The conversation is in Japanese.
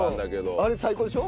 あれ最高でしょ？